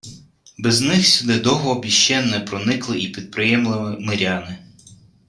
Без них сюди довго б іще не проникли й підприємливі миряни